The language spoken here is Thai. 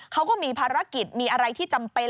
เขาก็มีภารกิจมีอะไรที่จำเป็น